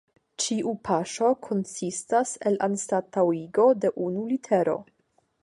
Ĉiu paŝo konsistas el anstataŭigo de unu litero.